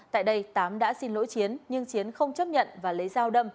tại đây tám đã xin lỗi chiến nhưng chiến không chấp nhận và lấy dao đâm